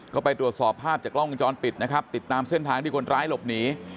ก็ไปตรวจสอบภาพจากกล้องวงจรปิดนะครับติดตามเส้นทางที่คนร้ายหลบหนี